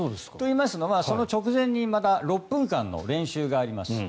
といいますのは、その直前にまた６分間の練習があります。